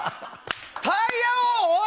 タイヤ王、おい！